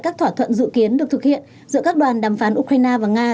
các thỏa thuận dự kiến được thực hiện giữa các đoàn đàm phán ukraine và nga